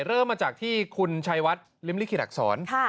เริ่มมาจากที่คุณชัยวัดริมลิขิตอักษร